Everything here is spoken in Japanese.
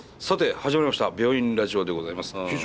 さて始まりました「病院ラジオ」でございますが。